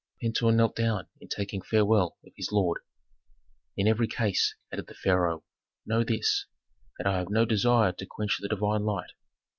Pentuer knelt down in taking farewell of his lord. "In every case," added the pharaoh, "know this, that I have no desire to quench the divine light.